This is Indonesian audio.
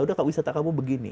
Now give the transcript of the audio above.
udah gak wisata kamu begini